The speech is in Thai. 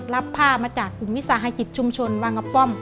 รับผ้ามาจากกลุ่มวิสาหกิจชุมชนวังกระป้อม